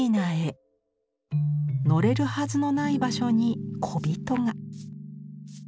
のれるはずのない場所に小人が。